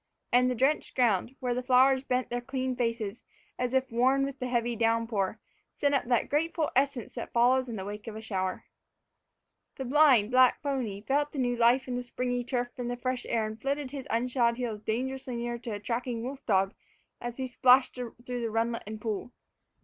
And the drenched ground, where the flowers bent their clean faces as if worn with the heavy downpour, sent up that grateful essence that follows in the wake of a shower. The blind, black pony felt the new life in the springy turf and the fresh air and flirted his unshod heels dangerously near to a tracking wolf dog as he splashed through runlet and pool.